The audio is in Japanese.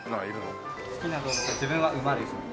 好きな動物自分は馬ですね。